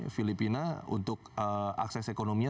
filipina untuk akses ekonominya